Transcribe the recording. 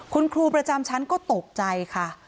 คุณครูประจำชั้นก็ตกใจค่ะ